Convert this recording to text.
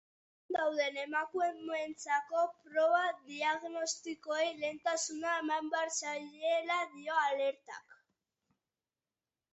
Haurdun dauden emakumeentzako proba diagnostikoei lehentasuna eman behar zaiela dio alertak.